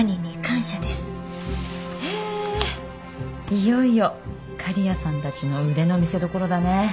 いよいよ刈谷さんたちの腕の見せどころだね。